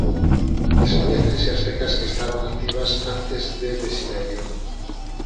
Descoñécense as cecas que estaban activas antes de Desiderio.